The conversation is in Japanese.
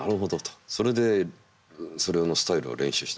それでそれのスタイルを練習しだした。